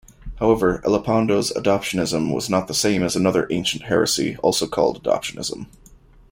However, Elipando's Adoptionism was not the same as another ancient heresy also called Adoptionism.